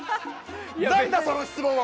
何だその質問は！